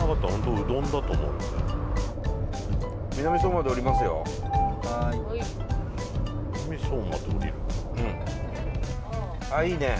うんああいいね